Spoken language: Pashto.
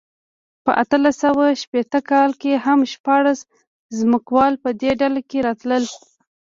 په اتلس سوه شپېته کال کې هم شپاړس ځمکوال په دې ډله کې راتلل.